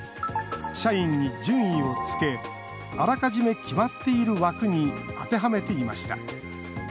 社員に順位をつけあらかじめ決まっている枠に当てはめていました。